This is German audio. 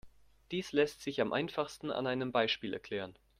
Dies lässt sich am einfachsten an einem Beispiel erklären.